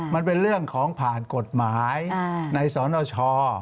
มันเป็นเรื่องของผ่านกฎหมายในสนช